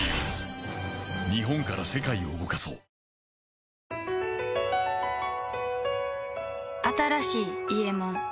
あふっ新しい「伊右衛門」